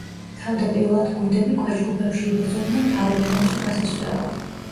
თავდაპირველად გუნდები ქვეჯგუფებში იბრძოდნენ მთავარ ფინალში გასასვლელად.